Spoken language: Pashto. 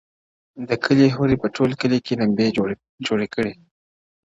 د کلي حوري په ټول کلي کي لمبې جوړي کړې،